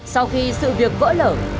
sau khi sự việc vỡ lở